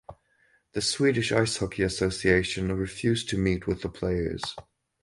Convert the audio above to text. The Swedish Ice Hockey Association refused to meet with the players.